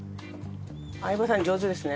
相葉さん上手ですね。